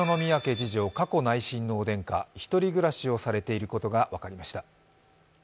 次女佳子内親王殿下１人暮らしをされていることが分かりました。